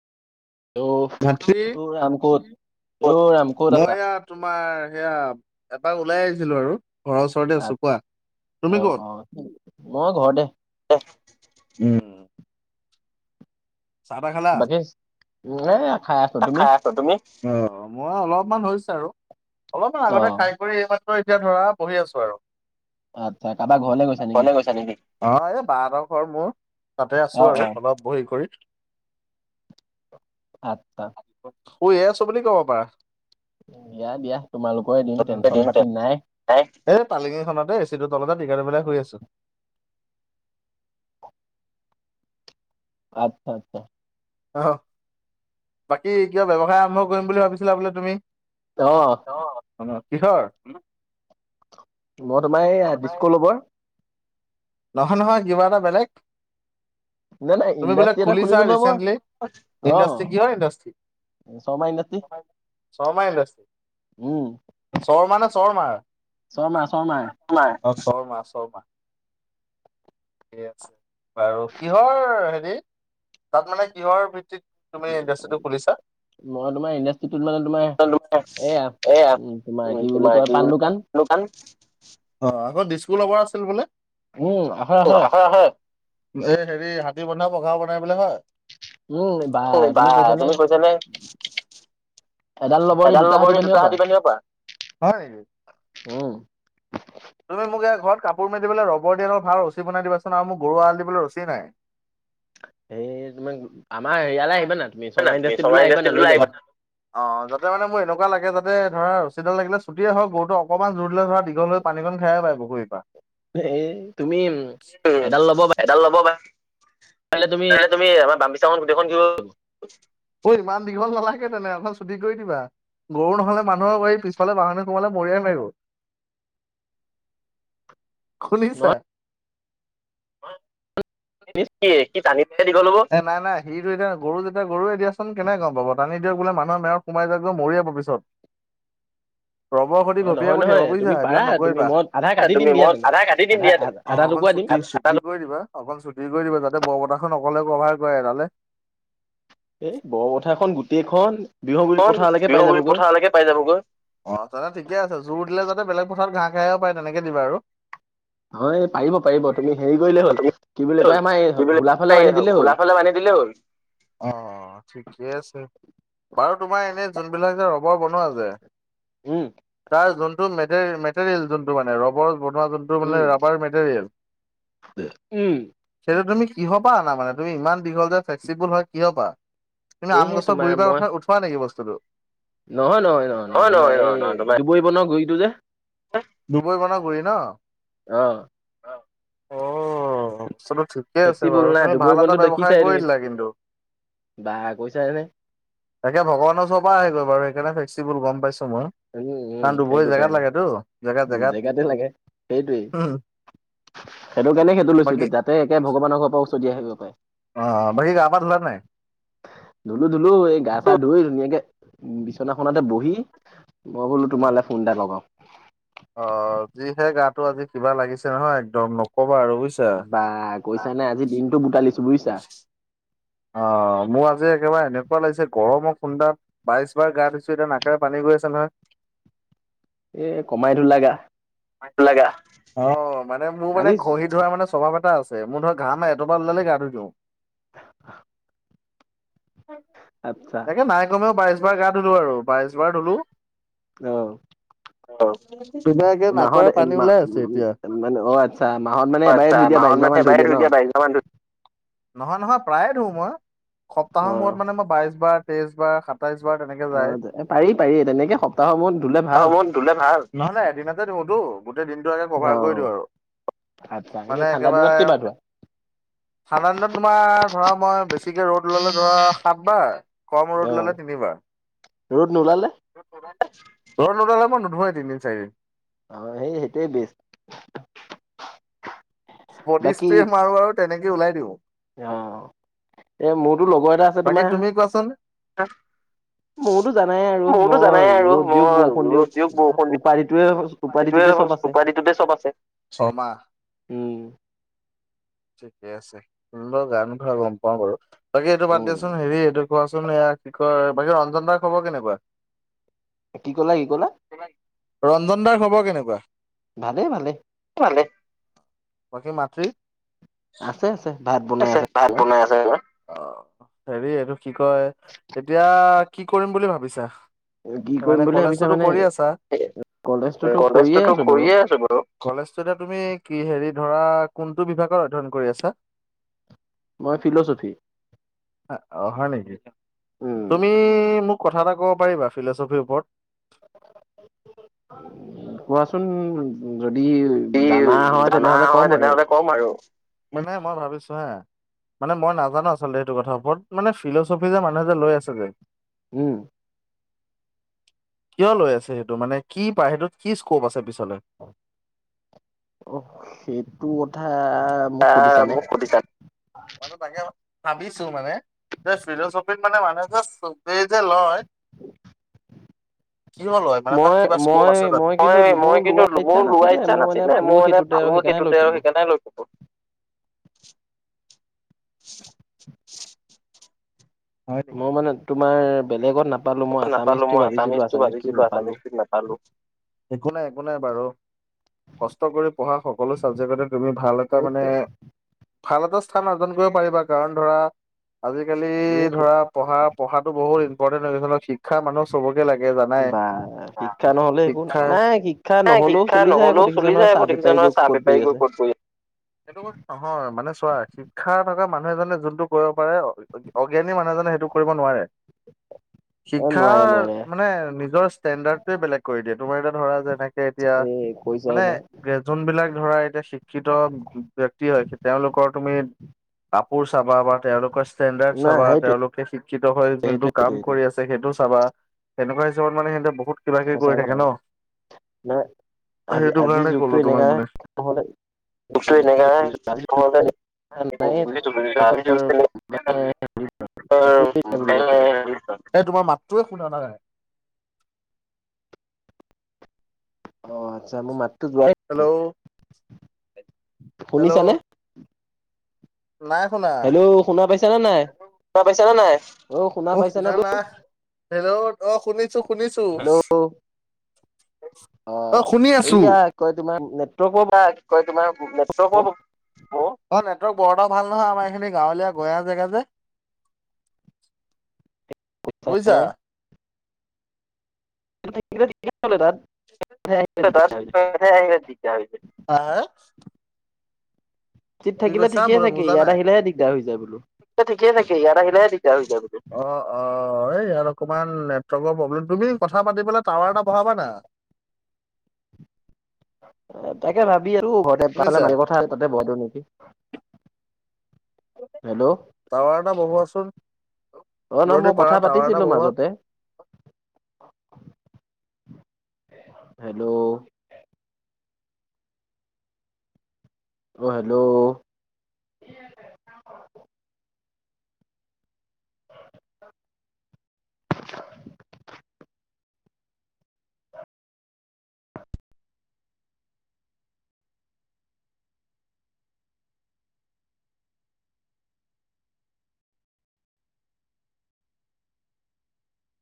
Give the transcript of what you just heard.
অ', গাখীৰ অ', ৰাম অ', ক'ত ৰাম ক'ত আছা? মই ইয়াত। তোমাৰ সেয়া এপাক ওলাই আহিছিলোঁ আৰু। ঘৰৰ ওচৰতে তাত আছোঁ কোৱা তুমি অ', ক'ত? অ', মই ঘৰতে উম চাহ তাহ খালা, বাকী এ খাই আছো তুমি? খাই আছোঁ তুমি? অ মই অলপমান হৈছে আৰু অলপমান আগতে অ', খাই কৰি এই এতিয়া ধৰা বঢ়ি আছোঁ আৰু আচ্ছা কাৰোবাৰ ঘৰলে কবালে গৈছা নেকি? অ এই বাহতৰ ঘৰ মোৰ তাতে আছোঁ অ', আৰু অ', অলপ বহি কৰি। আঠটা। শুইয়ে আছোঁ বুলি ক'ব পাৰা। দিয়া দিয়া তোমালোকৰে দিন টেনশ্যন পাতি নাই। এ পালিঙিখনতে এচিটো তলতে টিকা টো পেলাই শুই আছোঁ। আচ্ছা আচ্ছা আহ বাকী কিবা ব্যৱসায় আৰম্ভ কৰিম বুলি ভাবিছিলা বুলে তুমি? অহ। অ কিহৰ? মই তোমাৰ এইয়া ডিছ্ক ল'বৰ। নহয় নহয় কিবা এটা বেলেগ। নাই নাই তুমি বোলে ইণ্ডাষ্ট্ৰি এটা খুলিছা খুলিলো ন মই ৰিচেণ্টলি অ', ইণ্ডাষ্টি কিহৰ industry? Sharma industry. Sharma industry. উম। শৰ্মা নে চৰমাৰ শৰ্মা শৰ্মা শৰ্মা শৰ্মা ঠিকে আছে বাৰু কিহৰ হেৰি তাত মানে কিহৰ ভিত্তিত। তুমি ইণ্ডাষ্ট্ৰিটো খুলিছা? মই তোমাৰ ইণ্ডাষ্টিটোত মানে তোমাৰ এয়া উম তোমাৰ কি বুলি কয় পাণ দোকান। দোকান অ আগত দিছকৌ ল'বৰ আছিল বোলে? উম, হয় উম হয় আছে আছে এই হেৰি হাতী বন্ধা পঘা বনাই বুলে হয়। উম বা তুমি কৈছা নে? এডাল লবৰ দি দুটা হাতী বান্ধিব হয় নেকি পাৰা উম। তুমি মোক এয়া ঘৰত কাপোৰ মেলিবলে ৰবৰ দি অলপ ভাল ৰছী বনাই দিব চোন আৰু মোক গৰু এৰাল দিবলে ৰছী নাই। হেৰি তোমাক আমাৰ এয়ালে আহিবানা তুমি না শৰ্মা ইণ্ডাষ্ট্ৰিটোলৈ আহিবানা ইণ্ডাষ্ট্ৰীটোলৈ লৈ আহিবা। যাবা। অ যাতে মানে মোৰ এনেকুৱা লাগে যাতে ধৰা ৰচীডাল লাগিলে ছুটিয়ে হক গৰুটো অকমান জোৰ দলে ধৰা দীঘল হয় পানী কন খাই আহিব পায় পুুখুৰী পা। এ তুমি উম, এডাল ল'ব পা এডাল ল'ব বা তেতিয়া হ'লে তুমি তেতিয়া তুমি এবাৰ বামিচাখন গোটেইখন গ'ল। অই ইমান দীঘল নালাগে তেনে আধা চুটি কৰি দিবা। গৰু নহ'লে মানুহৰ বাৰী পিছালে বাহনিত সোমালে মৰিয়াই মাৰিব। [inaudible] খুলিছা? নহয় কি কি টানি দিলেই দীঘল হ'ব এই নাই নাই। সিটো এতিয়া গৰু যেতিয়া গৰুয়ে দিয়াচোন কেনেকে গম পাব টানি দিয়ক বোলে মানুহ মেও সোমাই যাব মৰিয়াই পাবি চপ। [inaudible] ৰবৰ সতি অ ঘপিয়াই নহয় পঠিয়াবা নহয় বুইছা তুমি পাৰা এইবিলাক তুমি নকৰিবা। মই আধা কাটি দিম তুমি দিয়া মই তেনে আধা কাটি দিম দিয়া তুমি আধা আধা অকন টুকুৰা দিম চু- কৰি দিবা অকন চুটি কৰি দিবা যাতে বৰপথাৰ খন অকলে কভাৰ কৰে এডালে। এই বৰপথাৰখন গোটেইখন- বিহগুৰি খন পথাৰলৈকে পাই বিহুগুৰি যাবগৈ পথাৰলৈকে পাই যাবগৈ। অ তেনে ঠিকে আছে জোৰ দিলে যাতে বেলেগ পথাৰত ঘাহ খাই আহিব পাৰে তেনেকে দিবা আৰু। হয় পাৰিব পাৰিব তুমি হেৰি কৰিলেই হল কি বুলি কয় আমাৰ এই কি বুলি হোলা ফালে কয় বান্ধি দিলেই হ'ল। বান্ধি দিলেই হ'ল। অঁ ঠিকেই আছে। বাৰু তোমাৰ এনে যোনবিলাক যে ৰবৰ বনোৱা যে। উম তাৰ যোনটো মে মেটেৰিয়েল যোনটো মানে ৰবৰ। যোনটো মানে উম ৰাবাৰ মেটেৰিয়েল। উম সেইটো তুমি কিহ পা আনা মানে তুমি ইমান দীঘল যে ফ্লেক্সিবুল হয় কিহ পা? তুমি এই আম গছ তোমাৰ মই গুৰিবাৰ উঠোৱা নেকি বস্তুটো? নহয় নহয় নহয় নহয় হয় তোমাৰ এই নহয় তোমাৰ দুবৰি বনৰ গুৰিটো যে। দুবৰি বনৰ গুৰি ন। অ অ বস্তটো ঠিকে আছে ফ্লেক্সিবল বাৰু না তুমি দুবৰি ভাল এটা বনটো ব্যৱসায় দেখিছাই কৰি তুমি দিলা কিন্তু। বা কৈছা যে। তাকে ভগৱানৰ ওচৰ পৰাই আহে গৈ বাৰু সেইকাৰে ফেক্সিবুল গম পাইছো মই। উম কাৰণ উম দুবৰি সেইটো জেগাত কাৰণে লাগেতো জেগাত উম জেগাত জেগাতে লাগে সেইটোৱেই। সেইটো কাৰনে সেইটো লৈছো বাকী যাতে একে ভগৱানৰ পৰা ওচৰত আহিব পাৰে। অ, বাকী গা পা ধুলাই নাই? ধুলো ধুলো এই গা চা ধুই ধুনীয়াকে বিচনাখনতে বহি মই বোলো উম, তোমাৰ লে ফোন এটা লগাওঁ। অ যিহে গাটো আজি কিবা লাগিছে নহয় একদম নকবা আৰু বুজিছ- বা কৈছা নে আজি দিনতটো বুটালিছো বুজিছা। অ মোৰ আজি একেবাৰে এনেকুৱা লাগিছে গৰমক খুন্দাত- বাইশ বাৰ গা ধুইছো এতিয়া নাকেৰে পানী গৈ আছে নহয়। এ কমাই ধুলা গা। কমাই ধুলা গা। অঁ মানে মোৰ মানে আজি ঘহি ধুৱা মানে স্বভাৱ এটা আছে। ছে, মোৰ ধৰা ঘাম এটোপাল ওলালে গা ধুই দিওঁ। আচ্ছা তাকে নাই কমেও বাইশ বাৰ গা ধুলো আৰু বাইশ বাৰ ধুলো। আহ অ ধুনিয়াকে নাকৰ এ পানী মা- ওলাই আছে মানে অ আচ্ছা মাহত মানে এতিয়া। এবাৰে আচ্ছা ধুই দিয়া বাইশ মাহত হাজাৰ মান মানে ধুই এবাৰ ন ধই দিয়া বাইশ বাৰ মান ধু। নহয় নহয় প্ৰায়ে ধুওঁ মই। অ সপ্তাহৰ মূৰত মানে মই বাইশ বাৰ তেইশ বাৰ- সাতাইশ বাৰ তেনেকে অ যায়। পাৰি পাৰি তেনেকে সপ্তাহ মোৰত ধুলে অ' ভাল। মোৰ ধুলে ভাল, নহয় নাই এদিনতে ধুওঁটো। গোটেই দিনটো আগে অ কভাৰ কৰি দিওঁ আৰু। আচ্ছা এনে মানে ঠাণ্ডা দিনত কেইবাৰ একেবাৰে- ধোৱা ঠাণ্ডা দিনত তোমাৰ ধৰা মই বেছিকে ৰ'দ ওলালো- ধৰা সাত বাৰ, কম অ ৰ'দ ওলালে তিনিবাৰ। ৰ'দ নোলালে ৰদ নোলালে মই নোধোৱেই তিনদিন চাৰিদিন। অ সেই সেইটোৱে বেষ্ট। বডি বাকী স্প্ৰে মাৰো আৰু তেনেকে ওলাই দিওঁ। অ এ মোৰতো লগৰ এটা আছে বাকী তোমাৰ। তুমি কোৱাচোন। ত। [unintelligible] মোৰতো জানাই আৰু মই ৰ'দ দিয়ক মই বৰষুণ ৰ'দ বৰষুণ দিয়ক দিয়ক উপাধিটোয়ে- উপাধিটোৱে উপাধিটোতে চব আছে উপাধিটোতে চব আছে ছমাহ। উম ঠিকে আছে সুন্দৰ গান ভাল গম পাওঁ বাৰু বাকী এইটো বাদ উম দিয়াচোন হেৰি এইটো কোৱাচোন য়া কি কয় বাকী ৰঞ্জন দাৰ খবৰ কেনেকুৱা। কি ক'লা ই ক'লা? ৰঞ্জন দাৰ খবৰ কেনেকুৱা। ভালে ভালে। ভালেই। বাকী মাতৃ আছে আছে ভাত বনাই আছে। ভাত বনাই আছে ৰবা অ অ অ হেৰি এইটো কি কয় এতিয়া কি কৰিম বুলি ভাবিছা? কি কৰিম মানে বুলি ভাবিছা কলেজটোতো মানে কৰি আছা তে এ এ এ, উম কলেজটোতো কৰিয়ে কলেজটোতো আছো বাৰু কৰিয়েই আছো বাৰু। কলেজটোতে তুমি কি হেৰি ধৰা কোনটো বিভাগত অধ্যয়ন কৰি আছা। মই ফিলোচফি। আহ অ হয় নেকি। উম তুমি ইইইই মোক কথা এটা ক'ব পাৰিবা ফিলোচফিৰ ওপৰত। কোৱাচোন ওওওও যদি কি জানা হয় জানা তেনেহ'লে হয় ক'ম আৰু তেনেহ'লে কম আৰু মানে মই ভাবিছো হা। মানে মই নাজানো আচলতে সেইটো কথাৰ ওপৰত মানে ফিলোচফি যে মানুহে যে লৈ আছে যে উম উ উ কিয় লৈ আছে সেইটো মানে কি পায় সেইটোত কি স্কোপ আছে পিছলে। অ অ চিৰি অহ সিইই সেইটো বত ধা আ আ আ আ আ আ মোক সুধিছা মইতো তাকে ভাবিছো মানে। যে ফিলোচফিত মানে মানুহ যে চবেই যে লয়। [unintelligible] কিয় লয় মানে তাত মই কিবা স্কোপ মই আছে জানো কিন্তু মই মোৰ মই কিন্তু লোৱা ললো ইচ্ছা লোৱাৰ নাছিলে ইচ্ছা মই মানে নাছিলে পালো মই মানে। সেইটোতে আৰু সেইকাৰণে লৈ সেইটোতে আৰু থলো। সেইকাৰণে লৈছো এইটো ছিটছিট ছিৰি ছিৰিট ছিৰিট ছিট হয় দেই মই মানে গম তোমাৰ পালে কি বেলেগত নাপালো মই কয় নাপালো আছামিজটো মই ভাবিছিলো আছামিজটো আছামিজটোত ভাবিছিলো নাপালো। আাছামিজটো নাপালোঁ। একো নাই একো নাই বাৰু কষ্ট কৰি পঢ়া সকলো চাবজেক্টতে তুমি ভাল এটা মানে সেইটোৱে ভাল এটা স্থান অৰ্জন কৰিব পাৰিবা কাৰণ ধৰা আজিকালি ধৰা পঢ়া পঢ়াটো বহুত ইম্পৰ্টেণ্ট হৈ গৈছে ন শিখ শিক্ষা মানুহৰ চবকে লাগে জানাই বা শিক্ষা নহলে একো নাই শিক্ষা নাই শিক্ষা তাই নহলেও শিক্ষা চলি যায় আকৌ নহলো দেখিছা চলি নহয় যায় চাহ সেইবোৰ দেখিচা বেপাৰী গৈ নহৈ চাহ ক'ত বহি বেপাৰিবোৰ ক'ত গৈ আছে সেইটো বস্তু নহয় মানে চোৱা শিক্ষা থকা মানুহ এজনে যোনটো কৰিব পাৰে অ ই অ ত অগা জ্ঞানী মানুহজনে সেইটো কৰিব নোৱাৰে অ নোৱাৰে শিক্ষাৰ নোৱাৰে মানে নিজৰ ষ্টেণ্ডাৰ্ড বেলেগ কৰি দিয়ে তোমাৰ এতিয়া ধৰা যেনেকে এতিয়া কৈ যায় না। গ্ৰেজুন বিলাক ধৰা এতিয়া শিক্ষিত উম উম ব্যক্তি হয় তেওঁলোকৰ তুমি কাপোৰ চাবা বা তেওঁলোকৰ ষ্টেণ্ডাৰ্ড নাই চাবা সেইটোৱে তেওঁলোকে শিক্ষিত হৈ যোনটো সেইটোৱে কাম সেইটোৱে কৰি আছে। তাকে সেইটোও চাবা তেনেকুৱা হিচাপত মানে সিহঁতে বহুত কিবা কিবি কৰি থাকে ন। নহয় আজি সেইটো আজিৰ কাৰণে ক'লো যুগটো তোমাক এনেকা মানে বিপ বিপ নহ'লে নাই [unintelligible] একোৱে নাই বুলি ক'ব [unintelligible] এ তোমাৰ মাতটোৱে শুনা নাই। অ অ অ আচ্ছা মোৰ মাতটো যোৱাই হেল্ল' বু হেল্ল' শুনিছানে! নাই শুনা। ত শুনা পাইছা নে নাই? শুনা পাইচা নে নাই? অ শুনা না, হেল্ল' অ শুনিছোঁ। শুনিছোঁ। হেল্ল' অ শুনি আছোঁ। এইয়া কি কয় তোমাৰ নেটৱৰ্কৰ হৈ তোমাৰ [unintelligible] কাৰণ নেটৱৰ্ক বৰ এটা ভাল নহয় বৰ এটা আমাৰ এইখিনি গাওঁ লিয়া গয়া জেগা। যে ছাই বুজিছা। লে। মানুহ থাকিলে দিগদাৰ হ'ল হয় তাত। [unintelligible] দিগদাৰ হৈছে। আ আকছ ঠিক থাকিলে কৈছা ঠিকে থাকে বুজা ইয়াত নাই। আহিলেহে দিগদাৰ হৈ যায় বোলো। ঠিকেই থাকে ইয়াত আহিলে দিগদাৰ হৈ যায় বোলো। অ, অ এই ইয়াত অকমান নেটৱৰ্কৰ প্ৰব্লেম তুমি কথা পাতি পেলাই টাৱাৰ এটা বঢ়াবানা। তাকে ভাবি আৰু ঘৰতে শুনিছা [unintelligible] তাতে বৰ দিওঁ নেকি। হেল্ল' টাৱা এটা বহোৱাচোন। অ নহ যদি মই কথা পাৰা টাৱাৰ এটা পাতিছিলো বহোৱা মাজতে। হেল্ল'। অ হেল্ল'। [unintelligible]